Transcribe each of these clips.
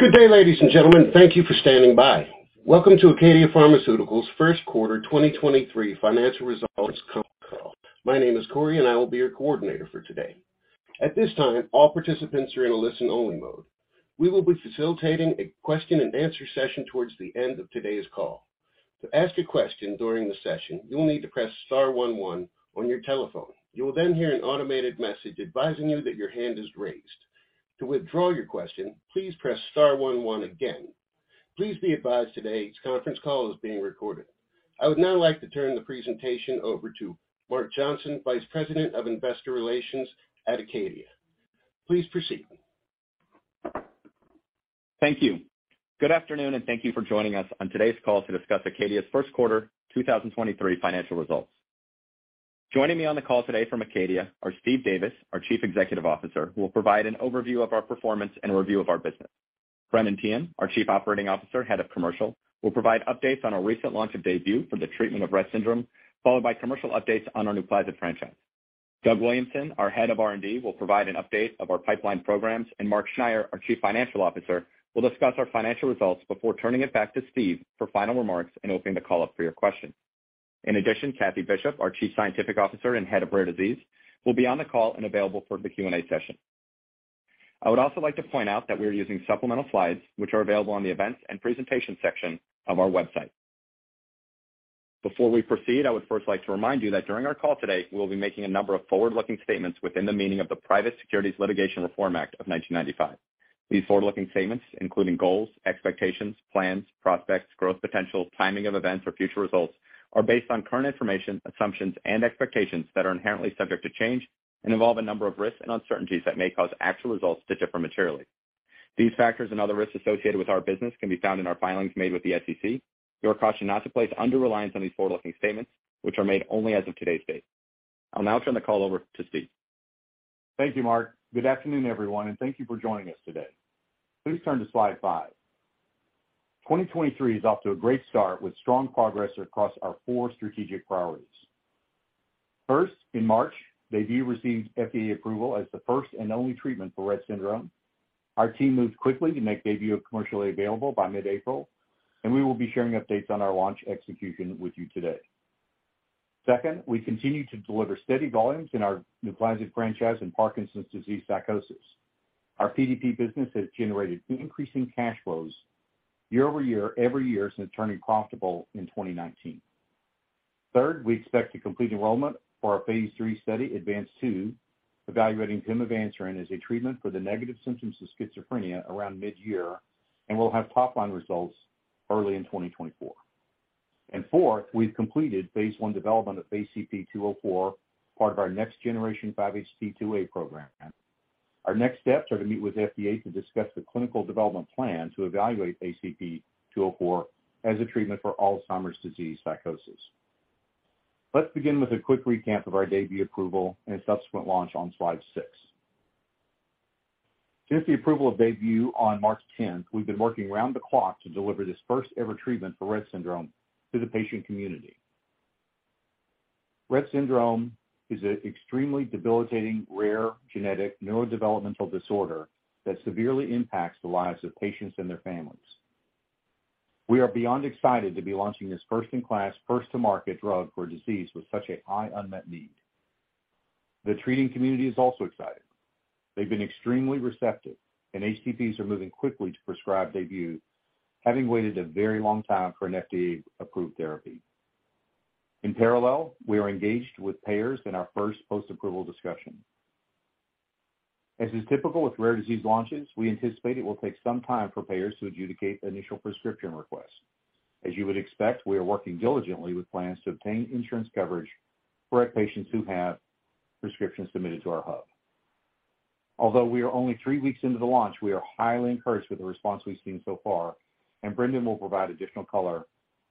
Good day, ladies and gentlemen. Thank you for standing by. Welcome to ACADIA Pharmaceuticals' first quarter 2023 financial results conference call. My name is Corey. I will be your coordinator for today. At this time, all participants are in a listen-only mode. We will be facilitating a question and answer session towards the end of today's call. To ask a question during the session, you will need to press star one one on your telephone. You will hear an automated message advising you that your hand is raised. To withdraw your question, please press star one one again. Please be advised today's conference call is being recorded. I would now like to turn the presentation over to Mark Johnson, Vice President of Investor Relations at ACADIA. Please proceed. Thank you. Good afternoon, and thank you for joining us on today's call to discuss ACADIA's 1st quarter 2023 financial results. Joining me on the call today from ACADIA are Steve Davis, our Chief Executive Officer, who will provide an overview of our performance and review of our business. Brendan Teehan, our Chief Operating Officer, Head of Commercial, will provide updates on our recent launch of DAYBUE for the treatment of Rett syndrome, followed by commercial updates on our NUPLAZID franchise. Doug Williamson, our Head of R&D, will provide an update of our pipeline programs, and Mark Schneyer, our Chief Financial Officer, will discuss our financial results before turning it back to Steve for final remarks and opening the call up for your questions. In addition, Kathie Bishop, our Chief Scientific Officer and Head of Rare Disease, will be on the call and available for the Q&A session. I would also like to point out that we are using supplemental slides, which are available on the Events and Presentation section of our website. Before we proceed, I would first like to remind you that during our call today, we will be making a number of forward-looking statements within the meaning of the Private Securities Litigation Reform Act of 1995. These forward-looking statements, including goals, expectations, plans, prospects, growth potential, timing of events or future results, are based on current information, assumptions and expectations that are inherently subject to change and involve a number of risks and uncertainties that may cause actual results to differ materially. These factors and other risks associated with our business can be found in our filings made with the SEC. You are cautioned not to place undue reliance on these forward-looking statements, which are made only as of today's date. I'll now turn the call over to Steve. Thank you, Mark. Good afternoon, everyone, and thank you for joining us today. Please turn to slide 5. 2023 is off to a great start with strong progress across our 4 strategic priorities. First, in March, DAYBUE received FDA approval as the first and only treatment for Rett syndrome. Our team moved quickly to make DAYBUE commercially available by mid-April, and we will be sharing updates on our launch execution with you today. Second, we continue to deliver steady volumes in our NUPLAZID franchise in Parkinson's disease psychosis. Our PDP business has generated increasing cash flows year-over-year every year since turning profitable in 2019. Third, we expect to complete enrollment for our phase III study, ADVANCE-2, evaluating pimavanserin as a treatment for the negative symptoms of schizophrenia around mid-year, and we'll have top-line results early in 2024. Fourth, we've completed phase I development of ACP-204, part of our next generation 5-HT2A program. Our next steps are to meet with FDA to discuss the clinical development plan to evaluate ACP-204 as a treatment for Alzheimer's disease psychosis. Let's begin with a quick recap of our DAYBUE approval and subsequent launch on slide 6. Since the approval of DAYBUE on March 10, we've been working round the clock to deliver this first-ever treatment for Rett syndrome to the patient community. Rett syndrome is an extremely debilitating, rare genetic neurodevelopmental disorder that severely impacts the lives of patients and their families. We are beyond excited to be launching this first-in-class, first-to-market drug for a disease with such a high unmet need. The treating community is also excited. They've been extremely receptive, and HCPs are moving quickly to prescribe DAYBUE, having waited a very long time for an FDA-approved therapy. In parallel, we are engaged with payers in our first post-approval discussion. As is typical with rare disease launches, we anticipate it will take some time for payers to adjudicate the initial prescription request. As you would expect, we are working diligently with plans to obtain insurance coverage for our patients who have prescriptions submitted to our hub. Although we are only three weeks into the launch, we are highly encouraged with the response we've seen so far, and Brendan will provide additional color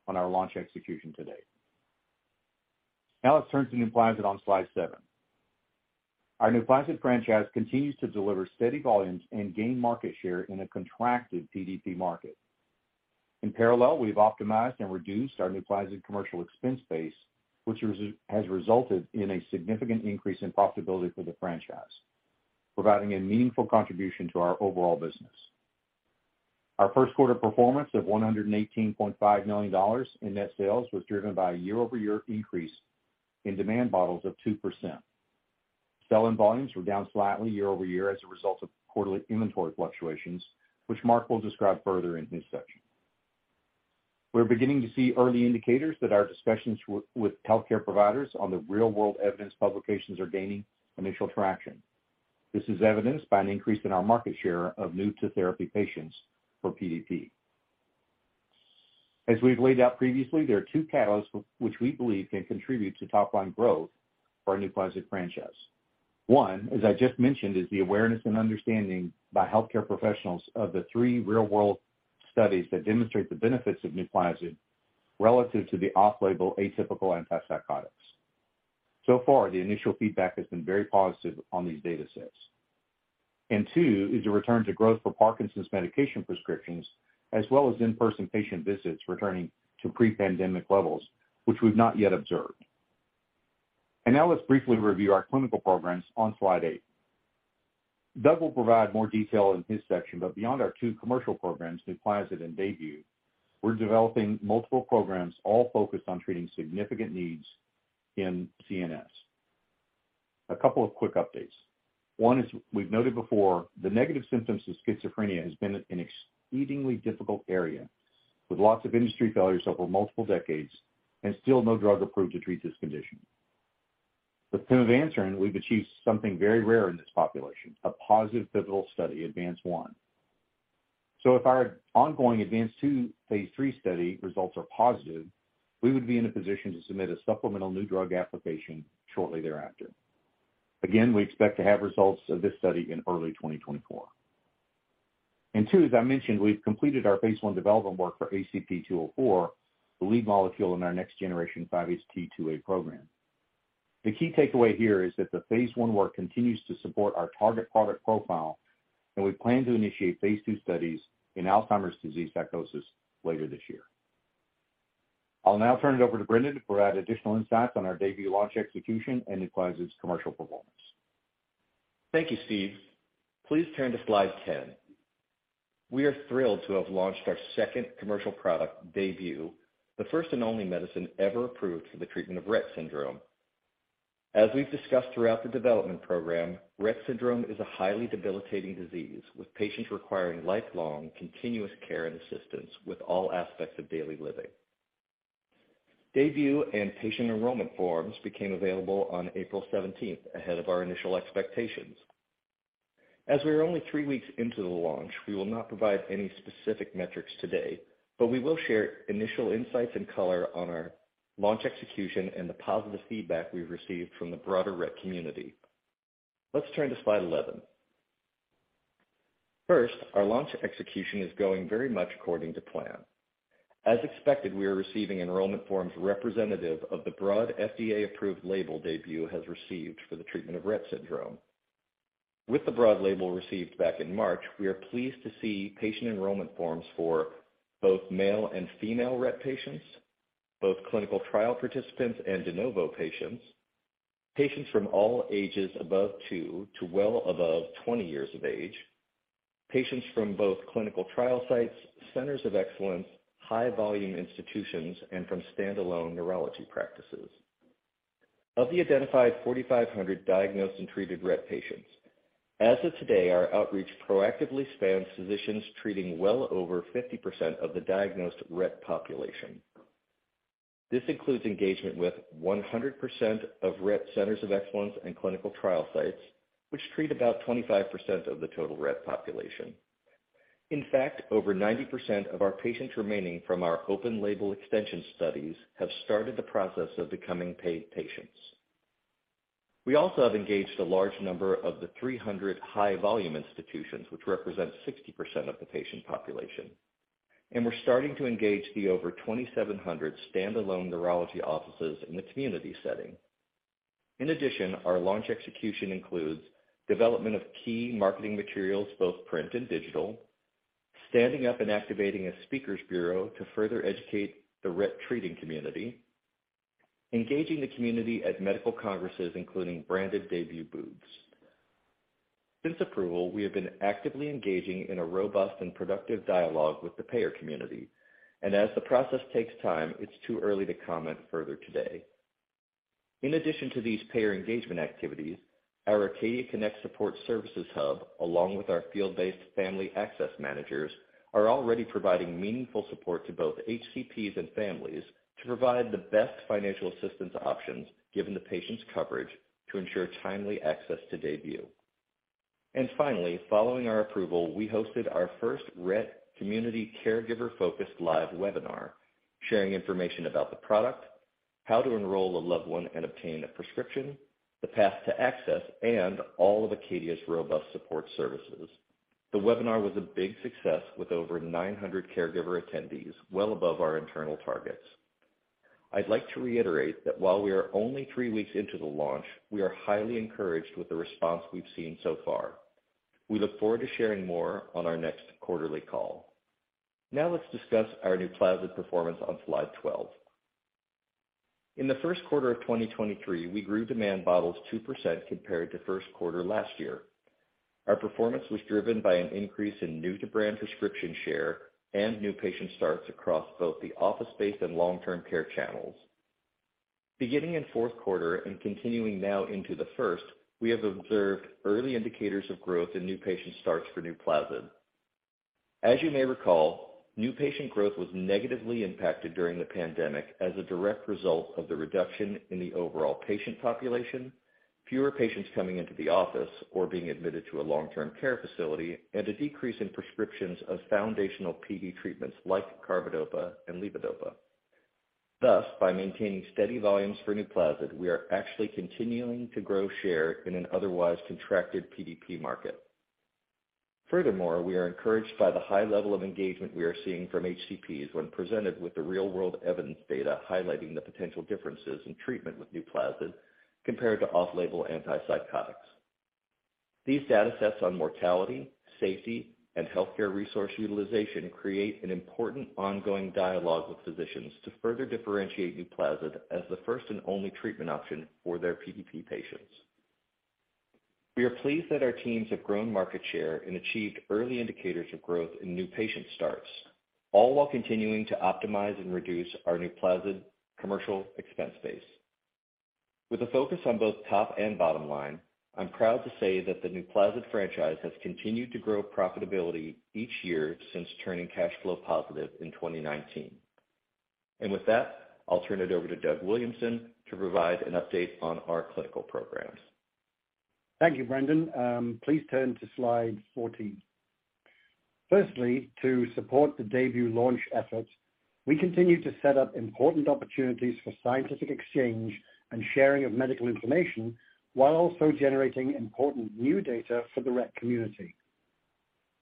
on our launch execution today. Now let's turn to NUPLAZID on slide seven. Our NUPLAZID franchise continues to deliver steady volumes and gain market share in a contracted PDP market. In parallel, we've optimized and reduced our NUPLAZID commercial expense base, which has resulted in a significant increase in profitability for the franchise, providing a meaningful contribution to our overall business. Our first quarter performance of $118.5 million in net sales was driven by a year-over-year increase in demand bottles of 2%. Sell-in volumes were down slightly year-over-year as a result of quarterly inventory fluctuations, which Mark will describe further in his section. We're beginning to see early indicators that our discussions with healthcare providers on the real-world evidence publications are gaining initial traction. This is evidenced by an increase in our market share of new-to-therapy patients for PDP. As we've laid out previously, there are two catalysts which we believe can contribute to top-line growth for our NUPLAZID franchise. One, as I just mentioned, is the awareness and understanding by healthcare professionals of the three real-world studies that demonstrate the benefits of NUPLAZID relative to the off-label atypical antipsychotics. So far, the initial feedback has been very positive on these datasets. Two is a return to growth for Parkinson's medication prescriptions, as well as in-person patient visits returning to pre-pandemic levels, which we've not yet observed. Now let's briefly review our clinical programs on slide 8. Doug will provide more detail in his section, but beyond our two commercial programs, NUPLAZID and DAYBUE, we're developing multiple programs all focused on treating significant needs in CNS. A couple of quick updates. One is, we've noted before the negative symptoms of schizophrenia has been an exceedingly difficult area with lots of industry failures over multiple decades and still no drug approved to treat this condition. With pimavanserin, we've achieved something very rare in this population, a positive pivotal study, ADVANCE-1. If our ongoing ADVANCE-2 phase III study results are positive, we would be in a position to submit a supplemental new drug application shortly thereafter. We expect to have results of this study in early 2024. Two, as I mentioned, we've completed our phase 1 development work for ACP-204, the lead molecule in our next generation 5-HT2A program. The key takeaway here is that the phase 1 work continues to support our target product profile, and we plan to initiate phase 2 studies in Alzheimer's disease psychosis later this year. I'll now turn it over to Brendan to provide additional insights on our DAYBUE launch execution and NUPLAZID's commercial performance. Thank you, Steve. Please turn to slide 10. We are thrilled to have launched our second commercial product, DAYBUE, the first and only medicine ever approved for the treatment of Rett syndrome. As we've discussed throughout the development program, Rett syndrome is a highly debilitating disease, with patients requiring lifelong continuous care and assistance with all aspects of daily living. DAYBUE and patient enrollment forms became available on April seventeenth, ahead of our initial expectations. As we are only three weeks into the launch, we will not provide any specific metrics today, but we will share initial insights and color on our launch execution and the positive feedback we've received from the broader Rett community. Let's turn to slide 11. First, our launch execution is going very much according to plan. As expected, we are receiving enrollment forms representative of the broad FDA-approved label DAYBUE has received for the treatment of Rett syndrome. With the broad label received back in March, we are pleased to see patient enrollment forms for both male and female Rett patients, both clinical trial participants and de novo patients from all ages above two to well above 20 years of age, patients from both clinical trial sites, centers of excellence, high volume institutions, and from standalone neurology practices. Of the identified 4,500 diagnosed and treated Rett patients, as of today, our outreach proactively spans physicians treating well over 50% of the diagnosed Rett population. This includes engagement with 100% of Rett centers of excellence and clinical trial sites, which treat about 25% of the total Rett population. In fact, over 90% of our patients remaining from our open-label extension studies have started the process of becoming paid patients. We also have engaged a large number of the 300 high volume institutions, which represent 60% of the patient population, and we're starting to engage the over 2,700 standalone neurology offices in the community setting. In addition, our launch execution includes development of key marketing materials, both print and digital, standing up and activating a speakers bureau to further educate the Rett treating community, engaging the community at medical congresses, including branded DAYBUE booths. Since approval, we have been actively engaging in a robust and productive dialogue with the payer community, and as the process takes time, it's too early to comment further today. In addition to these payer engagement activities, our Acadia Connect Support Services Hub, along with our field-based Family Access Managers, are already providing meaningful support to both HCPs and families to provide the best financial assistance options given the patient's coverage to ensure timely access to DAYBUE. Finally, following our approval, we hosted our first Rett community caregiver-focused live webinar, sharing information about the product, how to enroll a loved one and obtain a prescription, the path to access, and all of ACADIA's robust support services. The webinar was a big success with over 900 caregiver attendees, well above our internal targets. I'd like to reiterate that while we are only three weeks into the launch, we are highly encouraged with the response we've seen so far. We look forward to sharing more on our next quarterly call. Now let's discuss our NUPLAZID performance on slide 12. In the first quarter of 2023, we grew demand bottles 2% compared to first quarter last year. Our performance was driven by an increase in new-to-brand prescription share and new patient starts across both the office space and long-term care channels. Beginning in fourth quarter and continuing now into the first, we have observed early indicators of growth in new patient starts for NUPLAZID. As you may recall, new patient growth was negatively impacted during the pandemic as a direct result of the reduction in the overall patient population, fewer patients coming into the office or being admitted to a long-term care facility, and a decrease in prescriptions of foundational PD treatments like carbidopa and levodopa. Thus, by maintaining steady volumes for NUPLAZID, we are actually continuing to grow share in an otherwise contracted PDP market. We are encouraged by the high level of engagement we are seeing from HCPs when presented with the real world evidence data highlighting the potential differences in treatment with NUPLAZID compared to off-label antipsychotics. These data sets on mortality, safety, and healthcare resource utilization create an important ongoing dialogue with physicians to further differentiate NUPLAZID as the first and only treatment option for their PDP patients. We are pleased that our teams have grown market share and achieved early indicators of growth in new patient starts, all while continuing to optimize and reduce our NUPLAZID commercial expense base. With a focus on both top and bottom line, I'm proud to say that the NUPLAZID franchise has continued to grow profitability each year since turning cash flow positive in 2019. With that, I'll turn it over to Doug Williamson to provide an update on our clinical programs. Thank you, Brendan. Please turn to slide 14. To support the DAYBUE launch efforts, we continue to set up important opportunities for scientific exchange and sharing of medical information while also generating important new data for the Rett community.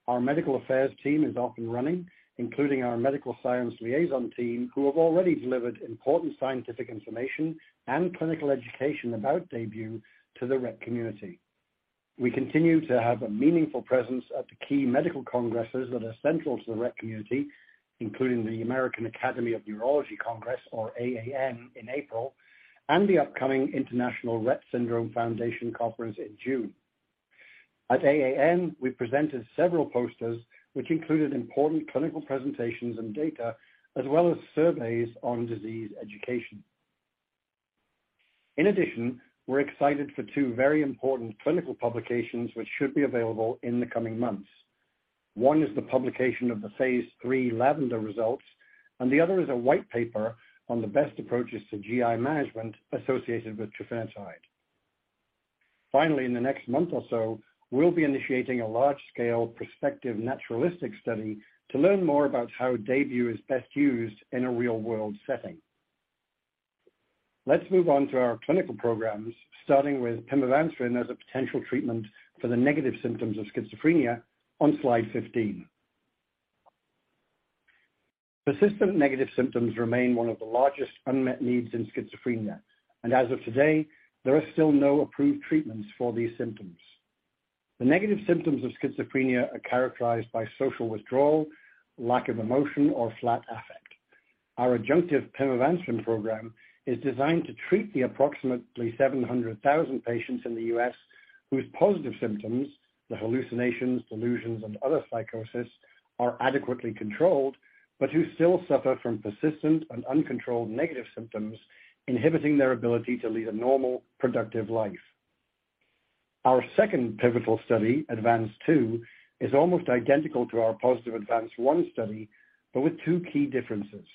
Our medical affairs team is off and running, including our medical science liaison team, who have already delivered important scientific information and clinical education about DAYBUE to the Rett community. We continue to have a meaningful presence at the key medical congresses that are central to the Rett community, including the American Academy of Neurology Congress, or AAN, in April, and the upcoming International Rett Syndrome Foundation Conference in June. At AAN, we presented several posters which included important clinical presentations and data, as well as surveys on disease education. In addition, we're excited for 2 very important clinical publications which should be available in the coming months. One is the publication of the phase III LAVENDER results. The other is a white paper on the best approaches to GI management associated with trofinetide. Finally, in the next month or so, we'll be initiating a large-scale prospective naturalistic study to learn more about how DAYBUE is best used in a real-world setting. Let's move on to our clinical programs, starting with pimavanserin as a potential treatment for the negative symptoms of schizophrenia on slide 15. Persistent negative symptoms remain one of the largest unmet needs in schizophrenia. As of today, there are still no approved treatments for these symptoms. The negative symptoms of schizophrenia are characterized by social withdrawal, lack of emotion, or flat affect. Our adjunctive pimavanserin program is designed to treat the approximately 700,000 patients in the U.S. whose positive symptoms, the hallucinations, delusions, and other psychosis, are adequately controlled, but who still suffer from persistent and uncontrolled negative symptoms inhibiting their ability to lead a normal, productive life. Our second pivotal study, ADVANCE-2, is almost identical to our positive ADVANCE-1 study, but with two key differences.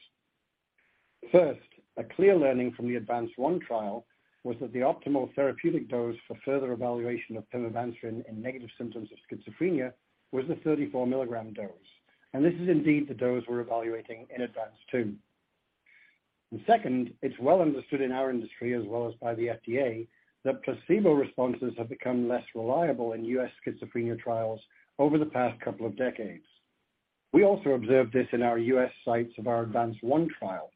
First, a clear learning from the ADVANCE-1 trial was that the optimal therapeutic dose for further evaluation of pimavanserin in negative symptoms of schizophrenia was the 34 milligram dose, and this is indeed the dose we're evaluating in ADVANCE-2. Second, it's well understood in our industry, as well as by the FDA, that placebo responses have become less reliable in U.S. schizophrenia trials over the past couple of decades. We also observed this in our U.S. sites of our ADVANCE-1 trial.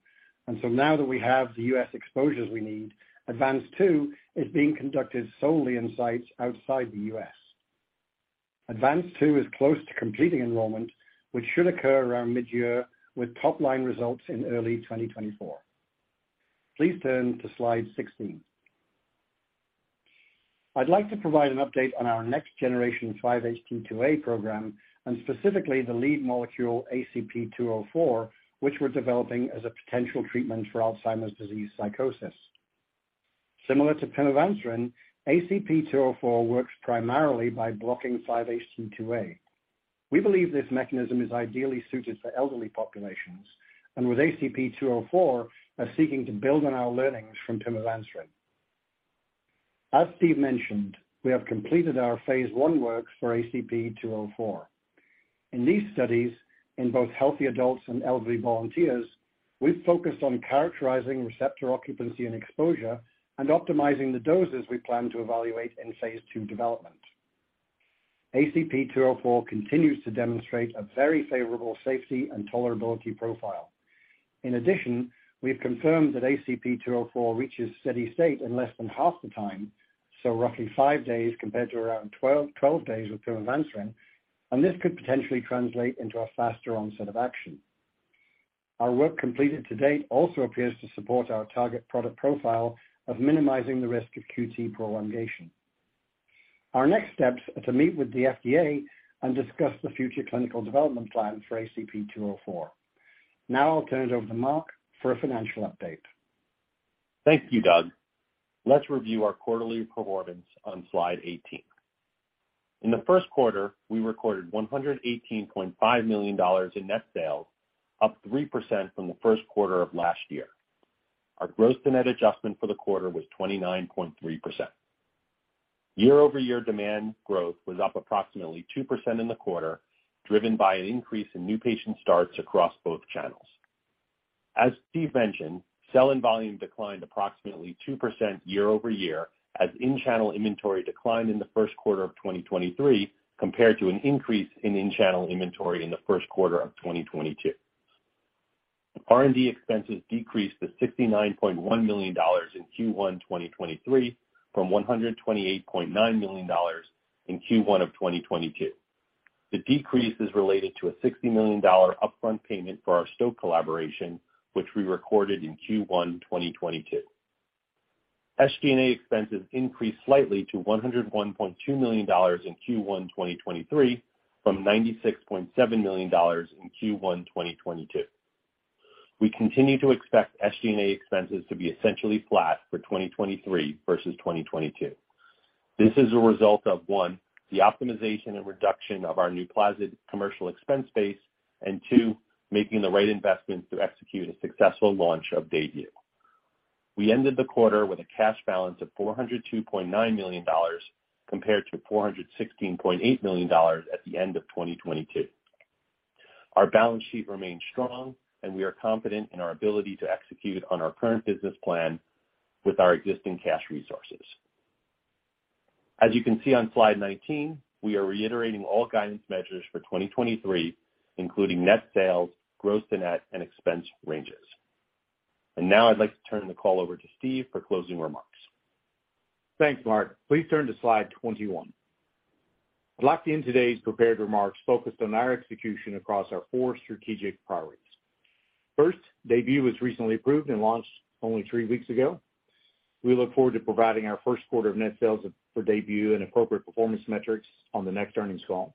Now that we have the U.S. exposures we need, ADVANCE-2 is being conducted solely in sites outside the U.S. ADVANCE-2 is close to completing enrollment, which should occur around mid-year, with top-line results in early 2024. Please turn to slide 16. I'd like to provide an update on our next generation 5-HT2A program and specifically the lead molecule ACP-204, which we're developing as a potential treatment for Alzheimer's disease psychosis. Similar to pimavanserin, ACP-204 works primarily by blocking 5-HT2A. We believe this mechanism is ideally suited for elderly populations and with ACP-204 are seeking to build on our learnings from pimavanserin. As Steve mentioned, we have completed our phase 1 work for ACP-204. In these studies, in both healthy adults and elderly volunteers, we've focused on characterizing receptor occupancy and exposure and optimizing the doses we plan to evaluate in phase II development. ACP-204 continues to demonstrate a very favorable safety and tolerability profile. We have confirmed that ACP-204 reaches steady state in less than half the time, so roughly five days compared to around 12 days with pimavanserin, and this could potentially translate into a faster onset of action. Our work completed to date also appears to support our target product profile of minimizing the risk of QT prolongation. Our next steps are to meet with the FDA and discuss the future clinical development plan for ACP-204. I'll turn it over to Mark for a financial update. Thank you, Doug. Let's review our quarterly performance on slide 18. In the first quarter, we recorded $118.5 million in net sales, up 3% from the first quarter of last year. Our gross to net adjustment for the quarter was 29.3%. Year-over-year demand growth was up approximately 2% in the quarter, driven by an increase in new patient starts across both channels. As Steve mentioned, sell-in volume declined approximately 2% year-over-year as in-channel inventory declined in the first quarter of 2023 compared to an increase in in-channel inventory in the first quarter of 2022. R&D expenses decreased to $69.1 million in Q1 2023 from $128.9 million in Q1 2022. The decrease is related to a $60 million upfront payment for our Stoke collaboration, which we recorded in Q1 2022. SG&A expenses increased slightly to $101.2 million in Q1 2023 from $96.7 million in Q1 2022. We continue to expect SG&A expenses to be essentially flat for 2023 versus 2022. This is a result of, one, the optimization and reduction of our NUPLAZID commercial expense base, and two, making the right investments to execute a successful launch of DAYBUE. We ended the quarter with a cash balance of $402.9 million compared to $416.8 million at the end of 2022. Our balance sheet remains strong and we are confident in our ability to execute on our current business plan with our existing cash resources. As you can see on slide 19, we are reiterating all guidance measures for 2023, including net sales, gross to net, and expense ranges. Now I'd like to turn the call over to Steve for closing remarks. Thanks, Mark. Please turn to slide 21. I'd like to end today's prepared remarks focused on our execution across our four strategic priorities. First, DAYBUE was recently approved and launched only three weeks ago. We look forward to providing our first quarter of net sales for DAYBUE and appropriate performance metrics on the next earnings call.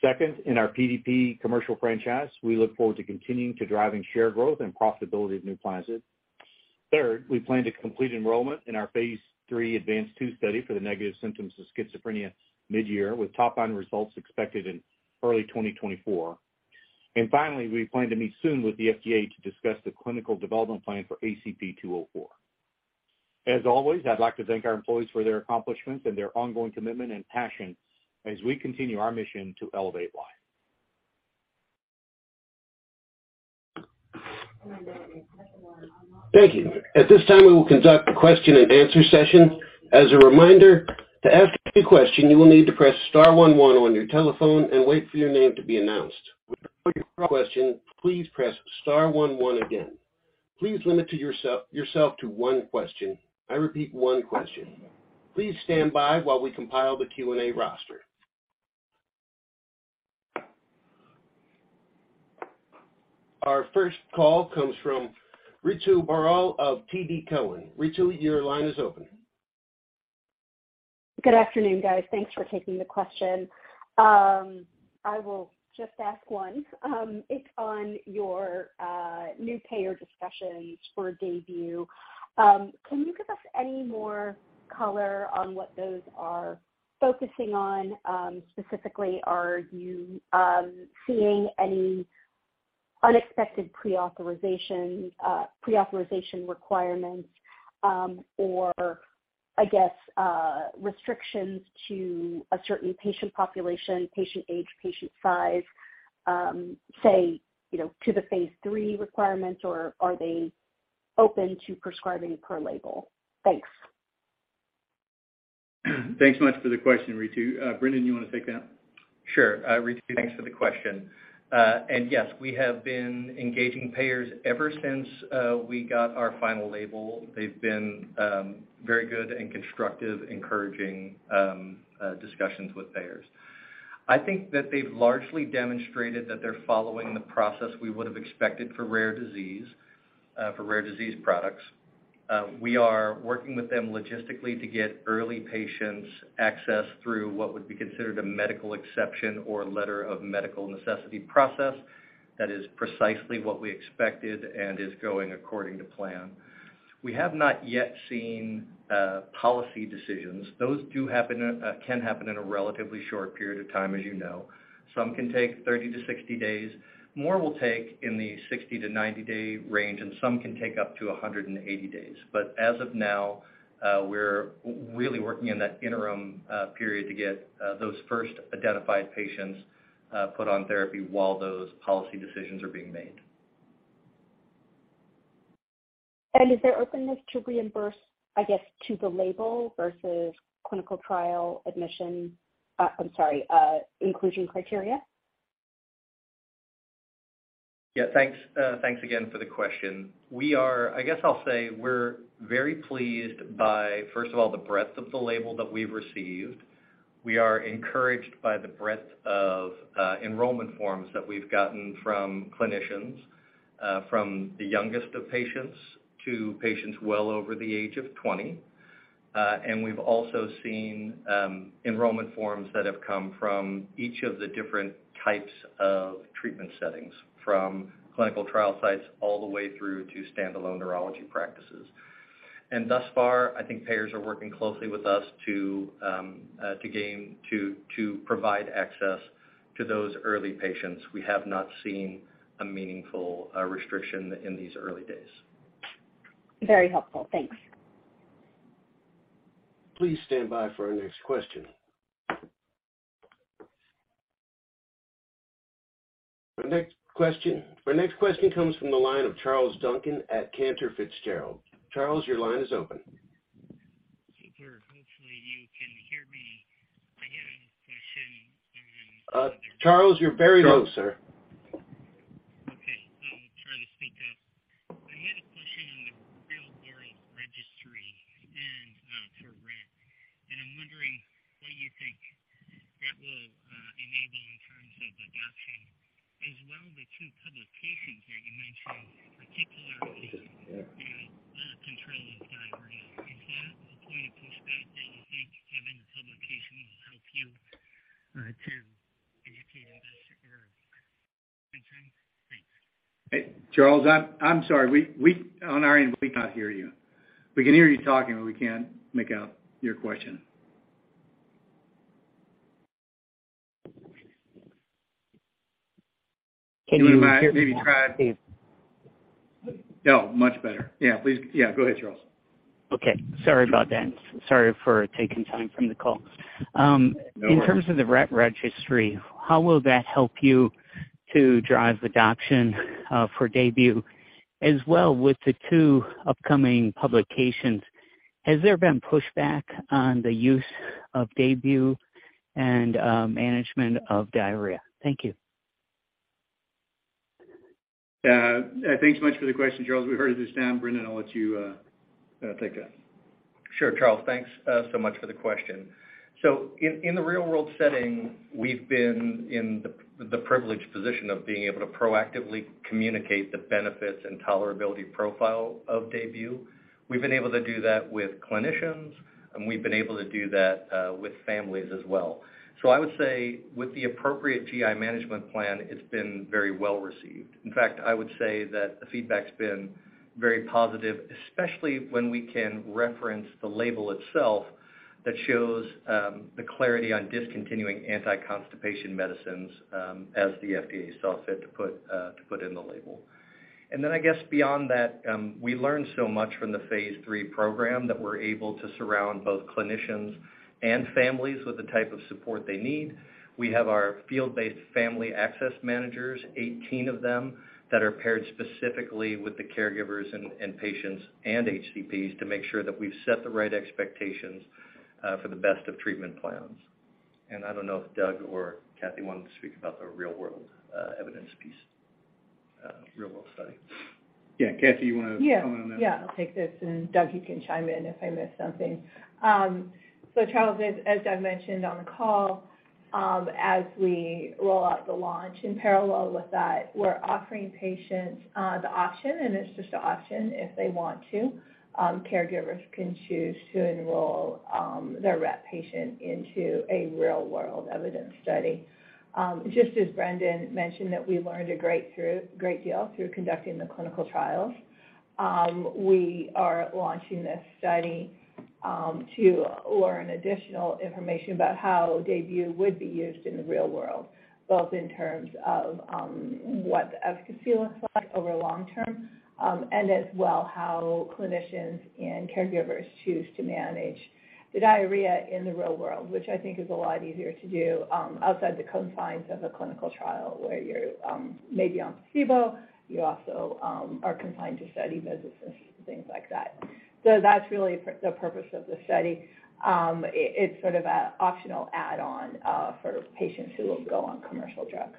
Second, in our PDP commercial franchise, we look forward to continuing to driving share growth and profitability of NUPLAZID. Third, we plan to complete enrollment in our Phase III ADVANCE-2 study for the negative symptoms of schizophrenia mid-year, with top line results expected in early 2024. Finally, we plan to meet soon with the FDA to discuss the clinical development plan for ACP-204. As always, I'd like to thank our employees for their accomplishments and their ongoing commitment and passion as we continue our mission to elevate life. Thank you. At this time, we will conduct a question-and-answer session. As a reminder, to ask a question, you will need to press star one one on your telephone and wait for your name to be announced. Before your question, please press star one one again. Please limit to yourself to one question. I repeat, one question. Please stand by while we compile the Q&A roster. Our first call comes from Ritu Baral of TD Cowen. Ritu, your line is open. Good afternoon, guys. Thanks for taking the question. I will just ask one. It's on your new payer discussions for DAYBUE. Can you give us any more color on what those are focusing on? Specifically, are you seeing any unexpected pre-authorization requirements, or I guess, restrictions to a certain patient population, patient age, patient size, say, you know, to the phase 3 requirements, or are they open to prescribing per label? Thanks. Thanks so much for the question, Ritu. Brendan, you wanna take that? Sure. Ritu, thanks for the question. Yes, we have been engaging payers ever since we got our final label. They've been very good and constructive, encouraging discussions with payers. I think that they've largely demonstrated that they're following the process we would have expected for rare disease products. We are working with them logistically to get early patients access through what would be considered a medical exception or letter of medical necessity process. That is precisely what we expected and is going according to plan. We have not yet seen policy decisions. Those do happen, can happen in a relatively short period of time, as you know. Some can take 30-60 days. More will take in the 60-90 day range, and some can take up to 180 days. As of now, we're really working in that interim period to get those first identified patients put on therapy while those policy decisions are being made. Is there openness to reimburse, I guess, to the label versus clinical trial admission? I'm sorry, inclusion criteria? Yeah. Thanks, thanks again for the question. I guess I'll say we're very pleased by, first of all, the breadth of the label that we've received. We are encouraged by the breadth of enrollment forms that we've gotten from clinicians, from the youngest of patients to patients well over the age of 20. We've also seen enrollment forms that have come from each of the different types of treatment settings, from clinical trial sites all the way through to standalone neurology practices. Thus far, I think payers are working closely with us to provide access to those early patients. We have not seen a meaningful restriction in these early days. Very helpful. Thanks. Please stand by for our next question. Our next question comes from the line of Charles Duncan at Cantor Fitzgerald. Charles, your line is open. Sure. Charles, you're very low, sir. Okay. I'll try to speak up. I had a question on the real-world registry and, for Rett. I'm wondering what you think that will enable in terms of adoption. The two publications that you mentioned, particularly- Yeah. the control of diarrhea. Is that a point of pushback that you think having the publication will help you to educate investors or anything? Thanks. Hey, Charles, I'm sorry, we... On our end, we cannot hear you. We can hear you talking, but we can't make out your question. Can you hear me now? Do you mind maybe... Yes. Oh, much better. Yeah, please. Yeah, go ahead, Charles. Sorry about that. Sorry for taking time from the call. No worries. In terms of the Rett registry, how will that help you to drive adoption for DAYBUE as well with the 2 upcoming publications? Has there been pushback on the use of DAYBUE and management of diarrhea? Thank you. Thanks so much for the question, Charles. We've heard it this time. Brendan, I'll let you take that. Sure. Charles, thanks so much for the question. In the real-world setting, we've been in the privileged position of being able to proactively communicate the benefits and tolerability profile of DAYBUE. We've been able to do that with clinicians, and we've been able to do that with families as well. I would say with the appropriate GI management plan, it's been very well received. In fact, I would say that the feedback's been very positive, especially when we can reference the label itself that shows the clarity on discontinuing anti-constipation medicines as the FDA saw fit to put in the label. I guess beyond that, we learned so much from the phase 3 program that we're able to surround both clinicians and families with the type of support they need. We have our field-based Family Access Managers, 18 of them, that are paired specifically with the caregivers and patients and HCPs to make sure that we've set the right expectations for the best of treatment plans. I don't know if Doug or Kathy wanted to speak about the real-world evidence piece, real-world study. Kathy, you wanna comment on that? I'll take this. Doug, you can chime in if I miss something. Charles, as Doug mentioned on the call, as we roll out the launch, in parallel with that, we're offering patients the option, and it's just a option if they want to. Caregivers can choose to enroll their Rett patient into a real-world evidence study. Just as Brendan mentioned that we learned a great deal through conducting the clinical trials, we are launching this study to learn additional information about how DAYBUE would be used in the real world, both in terms of what the efficacy looks like over long term, and as well how clinicians and caregivers choose to manage the diarrhea in the real world, which I think is a lot easier to do outside the confines of a clinical trial where you're maybe on placebo. You also are confined to study visits and things like that. That's really the purpose of the study. It's sort of a optional add-on for patients who will go on commercial drug.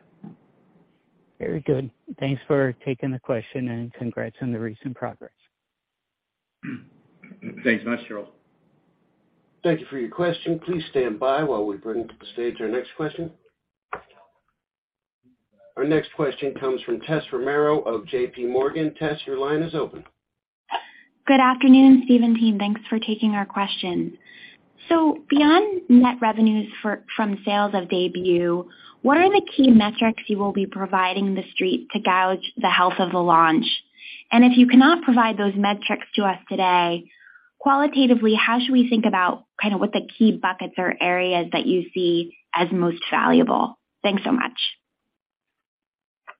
Very good. Thanks for taking the question. Congrats on the recent progress. Thanks much, Charles. Thank you for your question. Please stand by while we bring to the stage our next question. Our next question comes from Tessa Romero of J.P. Morgan. Tess, your line is open. Good afternoon, Steve team. Thanks for taking our questions. Beyond net revenues from sales of DAYBUE, what are the key metrics you will be providing the street to gauge the health of the launch? If you cannot provide those metrics to us today, qualitatively, how should we think about kind of what the key buckets or areas that you see as most valuable? Thanks so much.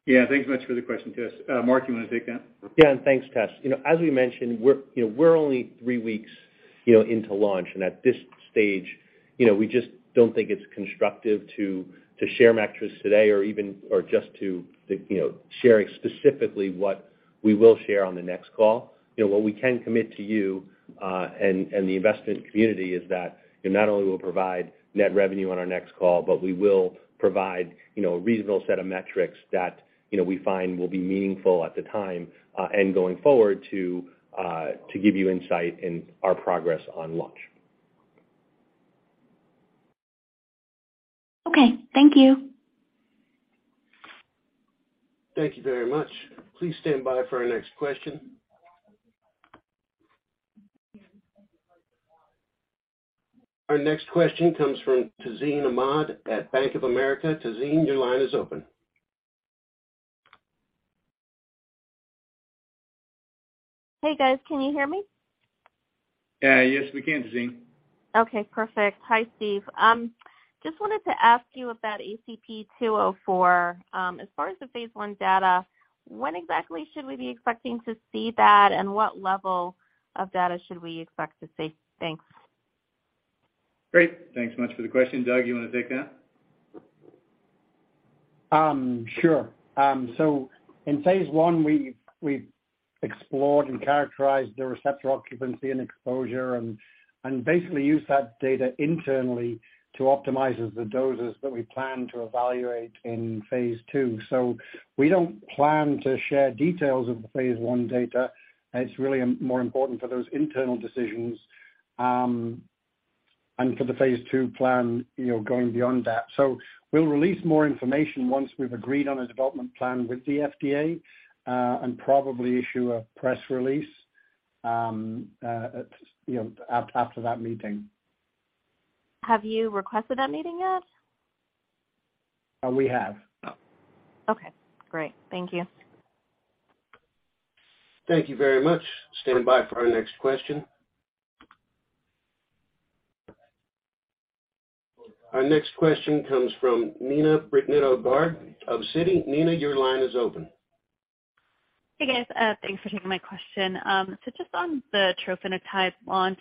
Yeah. Thanks so much for the question, Tess. Mark, you wanna take that? Yeah. Thanks, Tess. You know, as we mentioned, we're, you know, we're only three weeks, you know, into launch. At this stage, you know, we just don't think it's constructive to share metrics today or even, you know, sharing specifically what we will share on the next call. You know, what we can commit to you and the investment community is that not only we'll provide net revenue on our next call, but we will provide, you know, a reasonable set of metrics that, you know, we find will be meaningful at the time and going forward to give you insight in our progress on launch. Okay. Thank you. Thank you very much. Please stand by for our next question. Our next question comes from Tazeen Ahmad at Bank of America. Tazeen, your line is open. Hey, guys. Can you hear me? Yes, we can, Tazeen. Okay, perfect. Hi, Steve. Just wanted to ask you about ACP-204. As far as the phase 1 data, when exactly should we be expecting to see that, and what level of data should we expect to see? Thanks. Great. Thanks so much for the question. Doug, you wanna take that? Sure. In phase one, we've explored and characterized the receptor occupancy and exposure and basically used that data internally to optimize as the doses that we plan to evaluate in phase two. We don't plan to share details of the phase one data. It's really more important for those internal decisions and for the phase two plan going beyond that. We'll release more information once we've agreed on a development plan with the FDA and probably issue a press release after that meeting. Have you requested that meeting yet? We have. Okay, great. Thank you. Thank you very much. Stand by for our next question. Our next question comes from Neena Bitritto-Garg of Citi. Nina, your line is open. Hey, guys. Thanks for taking my question. Just on the trofinetide launch,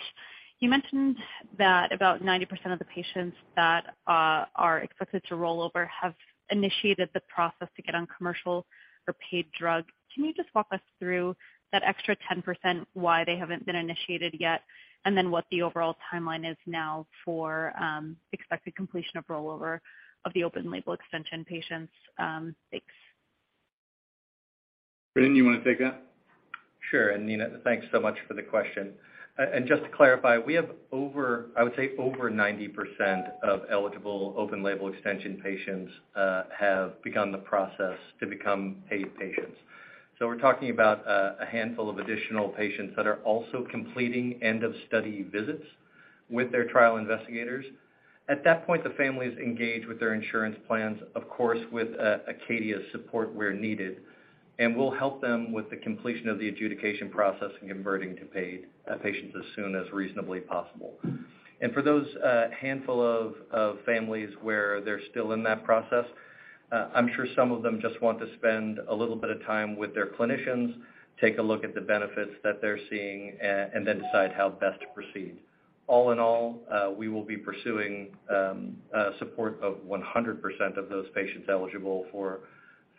you mentioned that about 90% of the patients that are expected to roll over have initiated the process to get on commercial or paid drug. Can you just walk us through that extra 10%, why they haven't been initiated yet, and then what the overall timeline is now for expected completion of rollover of the open-label extension patients? Thanks. Brendan, you wanna take that? Sure. Neena, thanks so much for the question. Just to clarify, we have over, I would say over 90% of eligible open-label extension patients have begun the process to become paid patients. We're talking about a handful of additional patients that are also completing end of study visits with their trial investigators. At that point, the families engage with their insurance plans, of course, with ACADIA's support where needed, and we'll help them with the completion of the adjudication process and converting to paid patients as soon as reasonably possible. For those handful of families where they're still in that process, I'm sure some of them just want to spend a little bit of time with their clinicians, take a look at the benefits that they're seeing and then decide how best to proceed. All in all, we will be pursuing support of 100% of those patients eligible for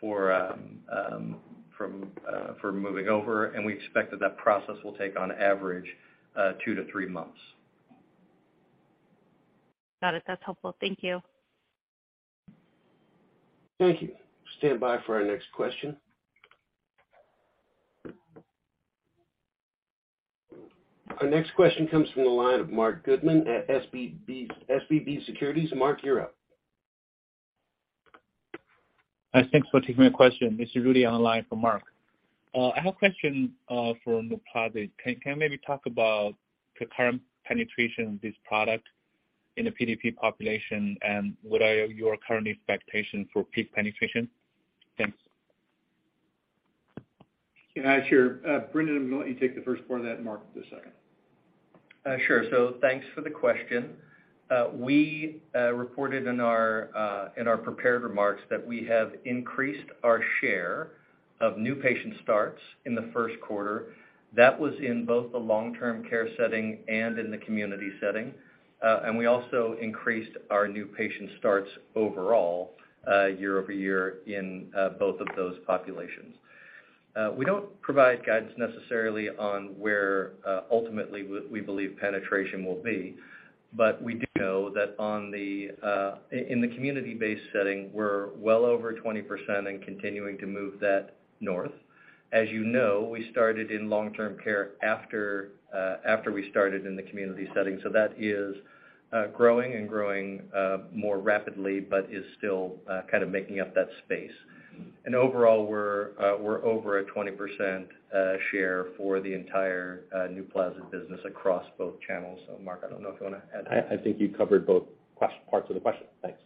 from for moving over, and we expect that that process will take on average 2-3 months. Got it. That's helpful. Thank you. Thank you. Stand by for our next question. Our next question comes from the line of Marc Goodman at SVB Securities. Marc, you're up. Thanks for taking my question. This is Rudy on the line for Marc. I have a question for NUPLAZID. Can you maybe talk about the current penetration of this product in the PDP population, and what are your current expectations for peak penetration? Thanks. Yeah, sure. Brendan, I'm gonna let you take the first part of that and Mark, the second. Sure. Thanks for the question. We reported in our prepared remarks that we have increased our share of new patient starts in the first quarter. That was in both the long-term care setting and in the community setting. We also increased our new patient starts overall year-over-year in both of those populations. We don't provide guidance necessarily on where ultimately we believe penetration will be, but we do know that on the in the community-based setting, we're well over 20% and continuing to move that north. As you know, we started in long-term care after we started in the community setting, so that is growing and growing more rapidly, but is still kind of making up that space. Overall, we're over a 20% share for the entire NUPLAZID business across both channels. Mark, I don't know if you wanna add. I think you covered both parts of the question. Thanks.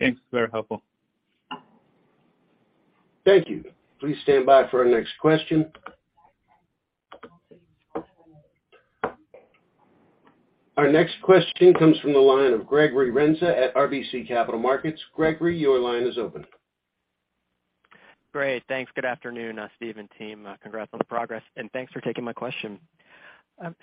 Thanks. Very helpful. Thank you. Please stand by for our next question. Our next question comes from the line of Gregory Renza at RBC Capital Markets. Gregory, your line is open. Great. Thanks. Good afternoon, Steve and team. Congrats on the progress, thanks for taking my question.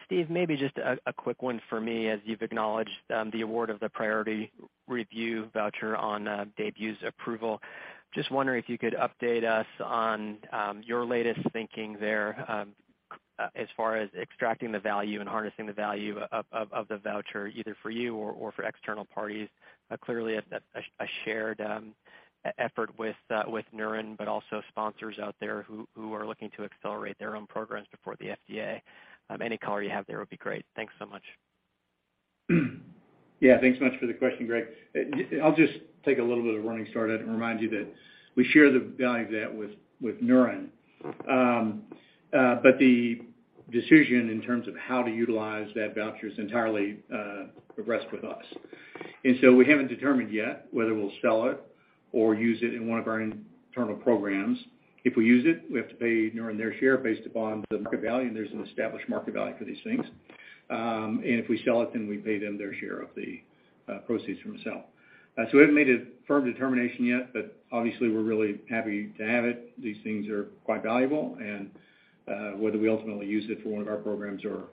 Steve, maybe just a quick one for me. As you've acknowledged, the award of the priority review voucher on DAYBUE's approval. Just wondering if you could update us on your latest thinking there, as far as extracting the value and harnessing the value of the voucher, either for you or for external parties. Clearly a shared e-effort with Neuren, also sponsors out there who are looking to accelerate their own programs before the FDA. Any color you have there would be great. Thanks so much. Yeah. Thanks so much for the question, Greg. I'll just take a little bit of a running start and remind you that we share the value of that with Neuren. The decision in terms of how to utilize that voucher is entirely rests with us. We haven't determined yet whether we'll sell it or use it in one of our internal programs. If we use it, we have to pay Neuren their share based upon the market value, and there's an established market value for these things. If we sell it, then we pay them their share of the proceeds from the sale. We haven't made a firm determination yet, but obviously we're really happy to have it. These things are quite valuable, and, whether we ultimately use it for one of our programs or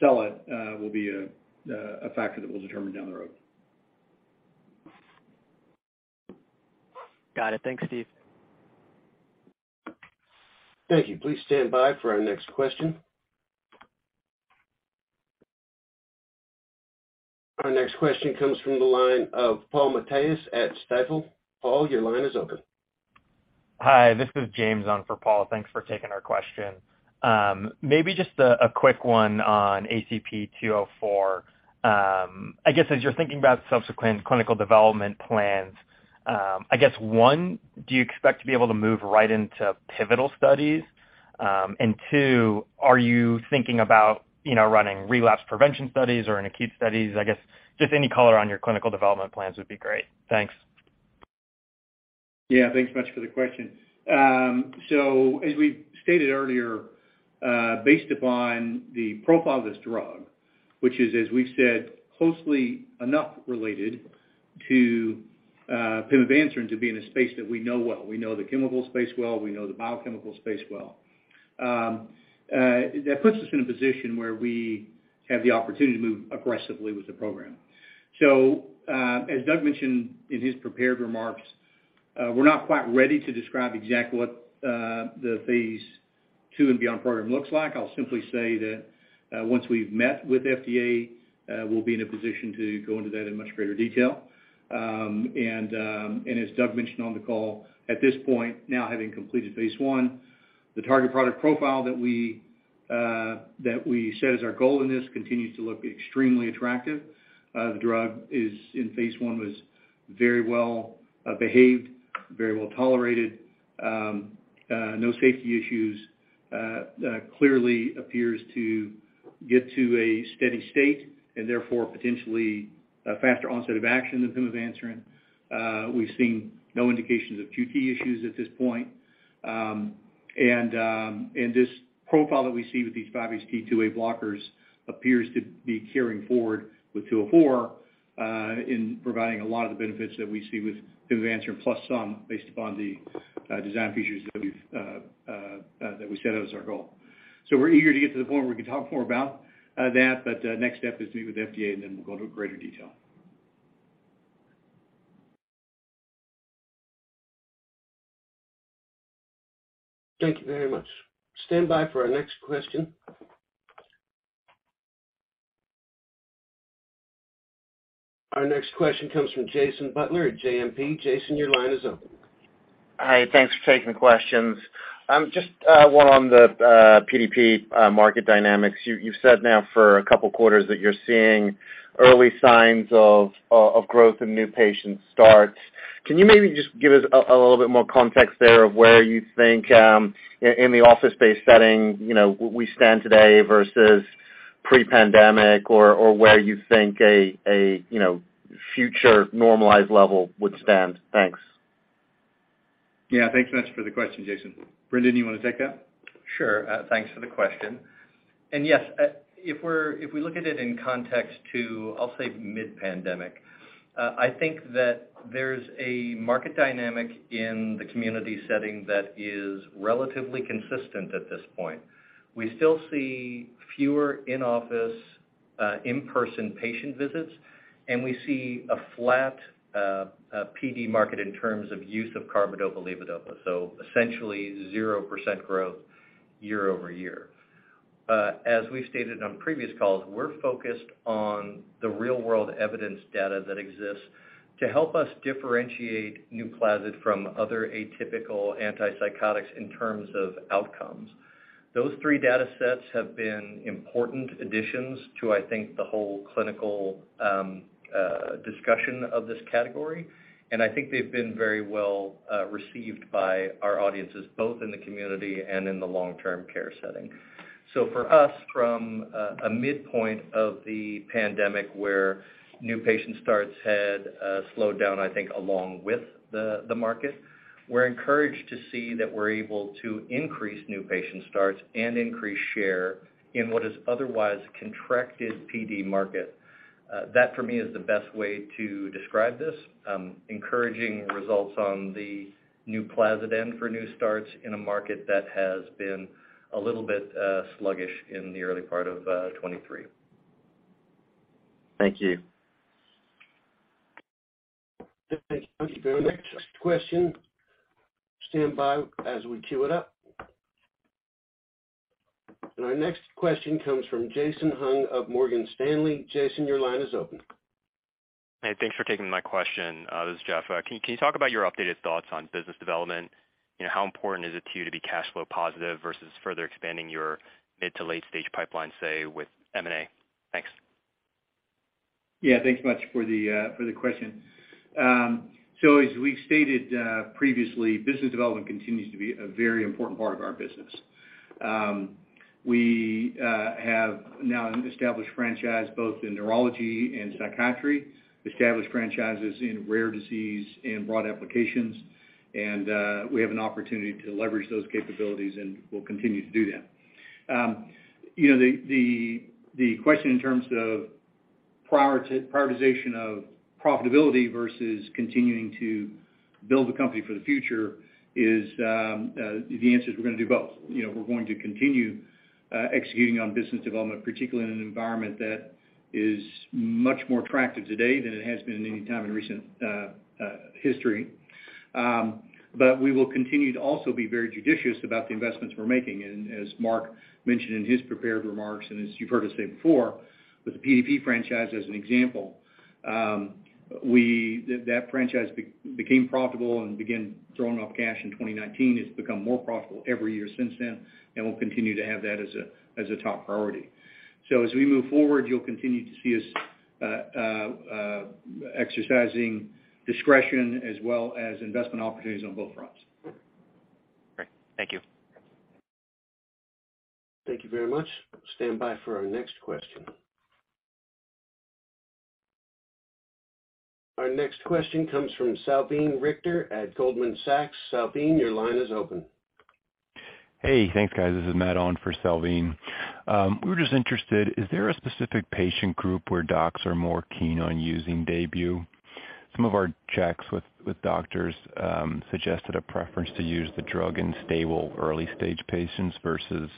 sell it, will be a factor that we'll determine down the road. Got it. Thanks, Steve. Thank you. Please stand by for our next question. Our next question comes from the line of Paul Matteis at Stifel. Paul, your line is open. Hi, this is James on for Paul. Thanks for taking our question. Maybe just a quick one on ACP-204. I guess, as you're thinking about subsequent clinical development plans, I guess one, do you expect to be able to move right into pivotal studies? Two, are you thinking about, you know, running relapse prevention studies or in acute studies? I guess just any color on your clinical development plans would be great. Thanks. Yeah, thanks much for the question. As we stated earlier, based upon the profile of this drug, which is, as we said, closely enough related to pimavanserin to be in a space that we know well. We know the chemical space well, we know the biochemical space well. That puts us in a position where we have the opportunity to move aggressively with the program. As Doug mentioned in his prepared remarks, we're not quite ready to describe exactly what the Phase II and beyond program looks like. I'll simply say that once we've met with FDA, we'll be in a position to go into that in much greater detail. As Doug mentioned on the call, at this point, now having completed phase I, the target product profile that we set as our goal in this continues to look extremely attractive. The drug is in phase I was very well behaved, very well tolerated, no safety issues, clearly appears to get to a steady state, and therefore potentially a faster onset of action than pimavanserin. We've seen no indications of QT issues at this point. This profile that we see with these 5-HT2A blockers appears to be carrying forward with two oh four in providing a lot of the benefits that we see with pimavanserin plus some based upon the design features that we've that we set out as our goal. We're eager to get to the point where we can talk more about that, but next step is to meet with FDA, and then we'll go into greater detail. Thank you very much. Stand by for our next question. Our next question comes from Jason Butler at JMP. Jason, your line is open. Hi. Thanks for taking the questions. Just one on the PDP market dynamics. You've said now for a couple quarters that you're seeing early signs of growth in new patient starts. Can you maybe just give us a little bit more context there of where you think in the office space setting, you know, where we stand today versus pre-pandemic or where you think a, you know, future normalized level would stand? Thanks. Yeah. Thanks so much for the question, Jason. Brendan, you wanna take that? Sure. Thanks for the question. Yes, if we look at it in context to, I'll say mid-pandemic, I think that there's a market dynamic in the community setting that is relatively consistent at this point. We still see fewer in-office, in-person patient visits, and we see a flat PD market in terms of use of carbidopa/levodopa, so essentially zero percent growth year-over-year. As we've stated on previous calls, we're focused on the real-world evidence data that exists to help us differentiate NUPLAZID from other atypical antipsychotics in terms of outcomes. Those three data sets have been important additions to, I think, the whole clinical discussion of this category, and I think they've been very well received by our audiences, both in the community and in the long-term care setting. For us, from a midpoint of the pandemic where new patient starts had slowed down, I think along with the market, we're encouraged to see that we're able to increase new patient starts and increase share in what is otherwise contracted PD market. That for me is the best way to describe this. Encouraging results on the NUPLAZID end for new starts in a market that has been a little bit sluggish in the early part of 2023. Thank you. Thank you. The next question, stand by as we queue it up. Our next question comes from Jeff Hung of Morgan Stanley. Jason, your line is open. Hey, thanks for taking my question. This is Jeff. Can you talk about your updated thoughts on business development? You know, how important is it to you to be cash flow positive versus further expanding your mid to late-stage pipeline, say with M&A? Thanks. Yeah. Thanks much for the for the question. As we stated previously, business development continues to be a very important part of our business. We have now an established franchise both in neurology and psychiatry, established franchises in rare disease and broad applications, and we have an opportunity to leverage those capabilities, and we'll continue to do that. You know, the question in terms of. prioritization of profitability versus continuing to build the company for the future is, the answer is we're gonna do both. You know, we're going to continue executing on business development, particularly in an environment that is much more attractive today than it has been at any time in recent history. We will continue to also be very judicious about the investments we're making. And as Mark mentioned in his prepared remarks, and as you've heard us say before, with the PDP franchise as an example, we that franchise became profitable and began throwing off cash in 2019. It's become more profitable every year since then, and we'll continue to have that as a top priority. As we move forward, you'll continue to see us exercising discretion as well as investment opportunities on both fronts. Great. Thank you. Thank you very much. Stand by for our next question. Our next question comes from Salveen Richter at Goldman Sachs. Savine, your line is open. Hey, thanks, guys. This is Matt on for Salveen. We're just interested, is there a specific patient group where docs are more keen on using DAYBUE? Some of our checks with doctors suggested a preference to use the drug in stable early-stage patients versus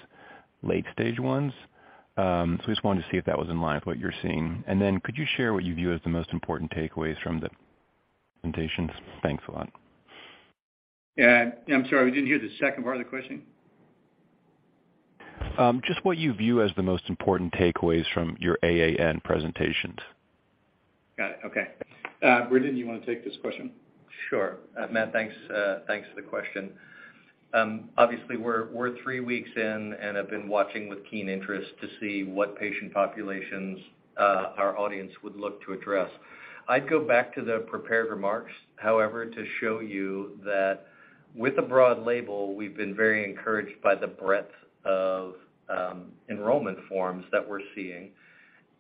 late-stage ones. We just wanted to see if that was in line with what you're seeing. Then could you share what you view as the most important takeaways from the presentations? Thanks a lot. Yeah. I'm sorry, we didn't hear the second part of the question. Just what you view as the most important takeaways from your AAN presentations. Got it. Okay. Brendan, do you wanna take this question? Sure. Matt, thanks for the question. Obviously, we're three weeks in and have been watching with keen interest to see what patient populations, our audience would look to address. I'd go back to the prepared remarks, however, to show you that with a broad label, we've been very encouraged by the breadth of enrollment forms that we're seeing.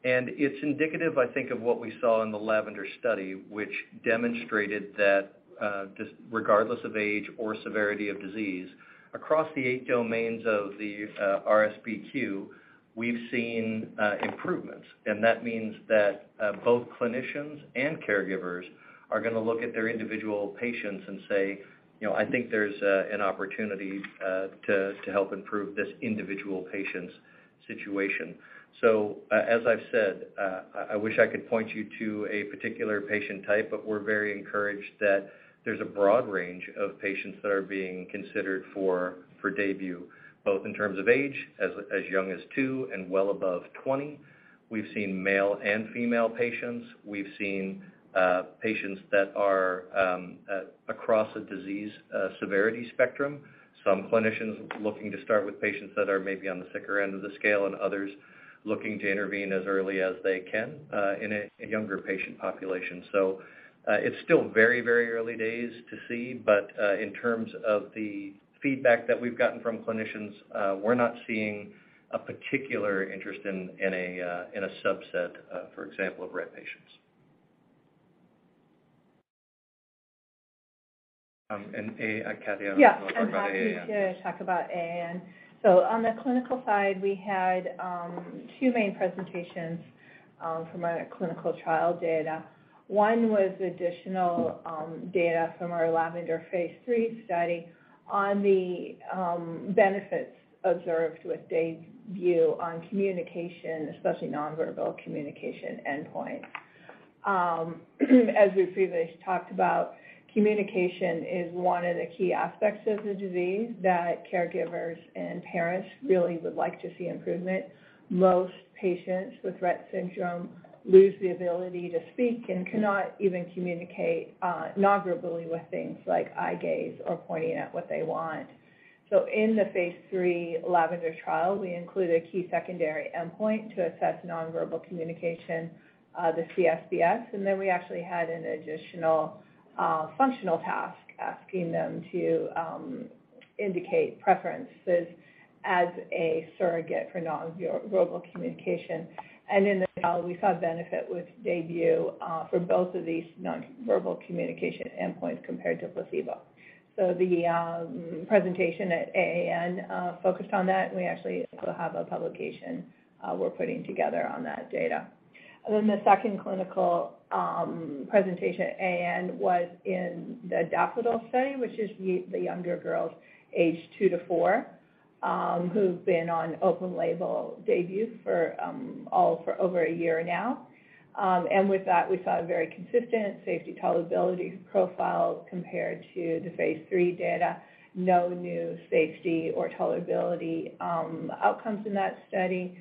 It's indicative, I think, of what we saw in the LAVENDER study, which demonstrated that, just regardless of age or severity of disease, across the eight domains of the RSBQ, we've seen improvements. That means that, both clinicians and caregivers are gonna look at their individual patients and say, "You know, I think there's an opportunity to help improve this individual patient's situation." as I've said, I wish I could point you to a particular patient type, but we're very encouraged that there's a broad range of patients that are being considered for DAYBUE, both in terms of age, as young as 2 and well above 20. We've seen male and female patients. We've seen patients that are across a disease severity spectrum. Some clinicians looking to start with patients that are maybe on the sicker end of the scale, and others looking to intervene as early as they can, in a younger patient population. It's still very early days to see, but, in terms of the feedback that we've gotten from clinicians, we're not seeing a particular interest in a, in a subset, for example, of Rett patients. Yeah. I'm happy to talk about AAN. On the clinical side, we had two main presentations from our clinical trial data. One was additional data from our LAVENDER Phase III study on the benefits observed with DAYBUE on communication, especially non-verbal communication endpoint. As we previously talked about, communication is one of the key aspects of the disease that caregivers and parents really would like to see improvement. Most patients with Rett syndrome lose the ability to speak and cannot even communicate non-verbally with things like eye gaze or pointing at what they want. In the Phase III LAVENDER trial, we included a key secondary endpoint to assess non-verbal communication, the CSBS, and then we actually had an additional functional task asking them to indicate preferences as a surrogate for non-verbal communication. In the trial, we saw benefit with DAYBUE for both of these non-verbal communication endpoints compared to placebo. The presentation at AAN focused on that, and we actually also have a publication we're putting together on that data. The second clinical presentation at AAN was in the DAFFODIL study, which is the younger girls aged two to four, who've been on open-label DAYBUE for over a year now. With that, we saw a very consistent safety tolerability profile compared to the phase III data. No new safety or tolerability outcomes in that study.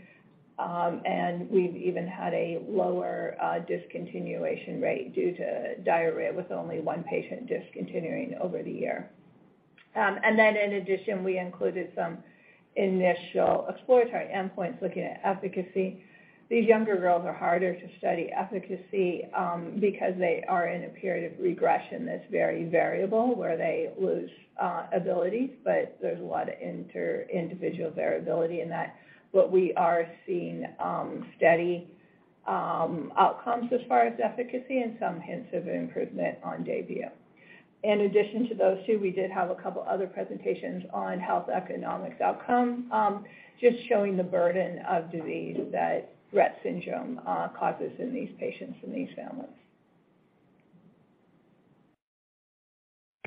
We've even had a lower discontinuation rate due to diarrhea, with only one patient discontinuing over the year. In addition, we included some initial exploratory endpoints looking at efficacy. These younger girls are harder to study efficacy, because they are in a period of regression that's very variable where they lose abilities, but there's a lot of inter-individual variability in that. We are seeing steady outcomes as far as efficacy and some hints of improvement on DAYBUE. In addition to those two, we did have a couple other presentations on health economics outcome, just showing the burden of disease that Rett syndrome causes in these patients and these families.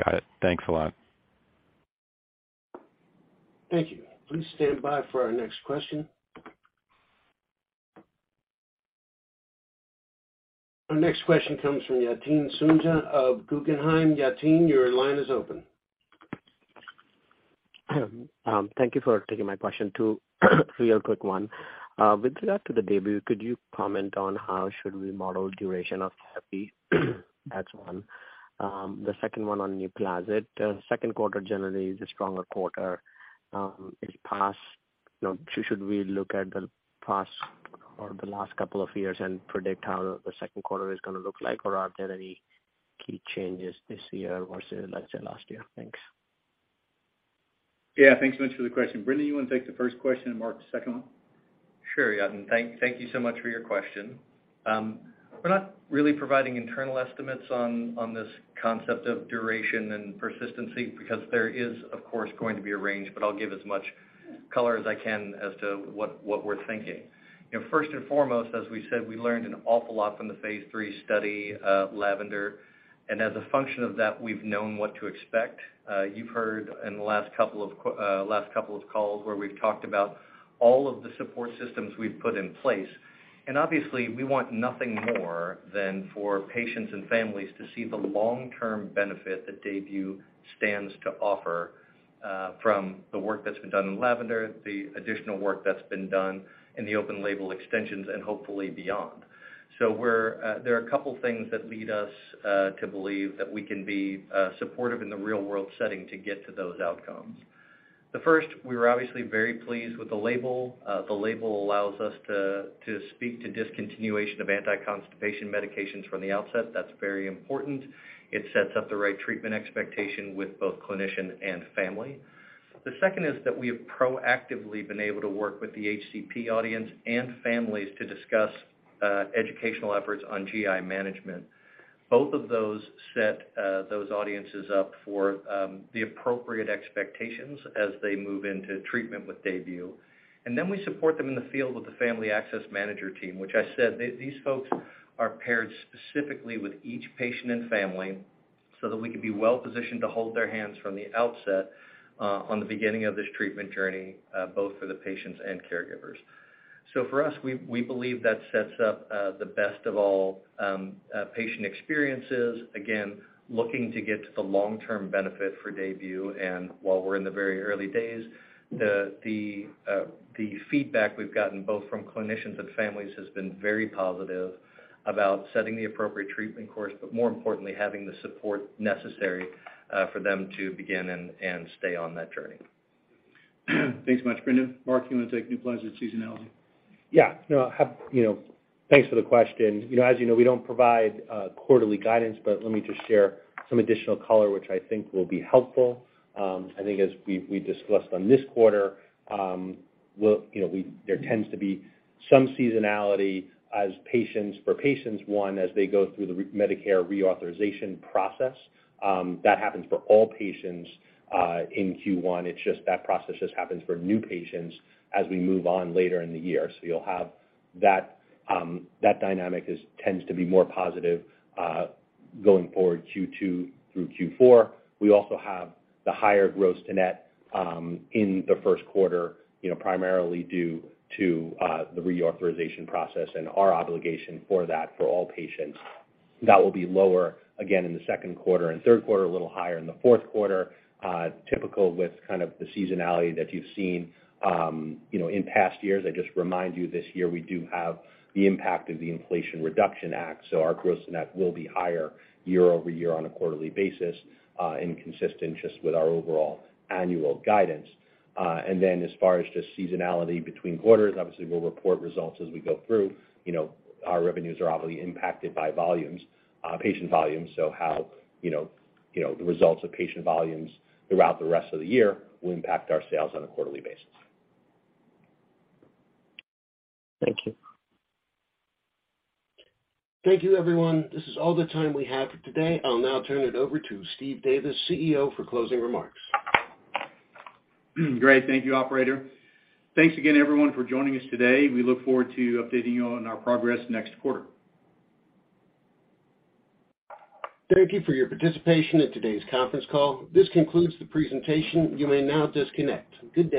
Got it. Thanks a lot. Thank you. Please stand by for our next question. Our next question comes from Yatin Suneja of Guggenheim. Yatin, your line is open. Thank you for taking my question. Two real quick one. With regard to the DAYBUE, could you comment on how should we model duration of therapy? That's one. The second one on NUPLAZID. Second quarter generally is a stronger quarter, it's passed. You know, should we look at the past or the last couple of years and predict how the second quarter is gonna look like or are there any key changes this year versus, let's say, last year? Thanks. Thanks so much for the question. Brendan, you wanna take the first question and Mark, the second one? Sure. Yatin, thank you so much for your question. We're not really providing internal estimates on this concept of duration and persistency because there is of course going to be a range, but I'll give as much color as I can as to what we're thinking. You know, first and foremost, as we said, we learned an awful lot from the phase three study, LAVENDER. As a function of that, we've known what to expect. You've heard in the last couple of calls where we've talked about all of the support systems we've put in place. Obviously, we want nothing more than for patients and families to see the long-term benefit that DAYBUE stands to offer, from the work that's been done in LAVENDER, the additional work that's been done in the open-label extensions, and hopefully beyond. There are a couple things that lead us to believe that we can be supportive in the real world setting to get to those outcomes. The first, we were obviously very pleased with the label. The label allows us to speak to discontinuation of anti-constipation medications from the outset. That's very important. It sets up the right treatment expectation with both clinician and family. The second is that we have proactively been able to work with the HCP audience and families to discuss educational efforts on GI management. Both of those set those audiences up for the appropriate expectations as they move into treatment with DAYBUE. Then we support them in the field with the Family Access Managers team, which I said, these folks are paired specifically with each patient and family so that we can be well positioned to hold their hands from the outset on the beginning of this treatment journey both for the patients and caregivers. For us, we believe that sets up the best of all patient experiences. Again, looking to get to the long-term benefit for DAYBUE. While we're in the very early days, the feedback we've gotten both from clinicians and families has been very positive about setting the appropriate treatment course, but more importantly, having the support necessary for them to begin and stay on that journey. Thanks so much, Brendan. Mark, do you wanna take NUPLAZID seasonality? No, I'll have You know, thanks for the question. You know, as you know, we don't provide quarterly guidance, but let me just share some additional color, which I think will be helpful. I think as we discussed on this quarter, we'll, you know, There tends to be some seasonality as patients, for patients one, as they go through the Medicare reauthorization process, that happens for all patients in Q1. It's just that process just happens for new patients as we move on later in the year. You'll have that dynamic tends to be more positive going forward Q2 through Q4. We also have the higher gross to net in the first quarter, you know, primarily due to the reauthorization process and our obligation for that for all patients. That will be lower again in the second quarter and third quarter, a little higher in the fourth quarter, typical with kind of the seasonality that you've seen, you know, in past years. I just remind you this year, we do have the impact of the Inflation Reduction Act, so our gross net will be higher year-over-year on a quarterly basis, and consistent just with our overall annual guidance. As far as just seasonality between quarters, obviously we'll report results as we go through. You know, our revenues are obviously impacted by volumes, patient volumes, how, you know, the results of patient volumes throughout the rest of the year will impact our sales on a quarterly basis. Thank you. Thank you, everyone. This is all the time we have for today. I'll now turn it over to Steve Davis, CEO, for closing remarks. Great. Thank you, operator. Thanks again everyone for joining us today. We look forward to updating you on our progress next quarter. Thank you for your participation in today's conference call. This concludes the presentation. You may now disconnect. Good day.